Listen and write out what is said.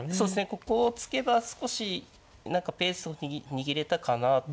ここを突けば少し何かペースを握れたかなと。